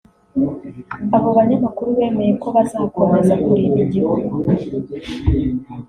Abo banyamakuru bemeye ko bazakomeza kurinda igihugu